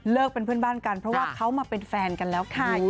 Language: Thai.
เป็นเพื่อนบ้านกันเพราะว่าเขามาเป็นแฟนกันแล้วค่ะ